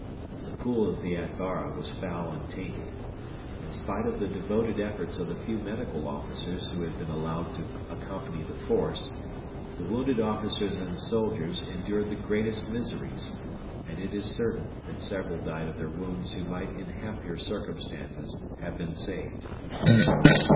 The pool of the Atbara was foul and tainted. In spite of the devoted efforts of the few medical officers who had been allowed to accompany the force, the wounded officers and soldiers endured the greatest miseries, and it is certain that several died of their wounds who might in happier circumstances have been saved.